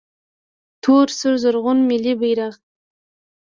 🇦🇫 تور سور زرغون ملي بیرغ